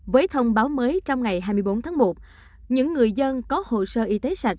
với thông báo mới trong ngày hai mươi bốn tháng một những người dân có hồ sơ y tế sạch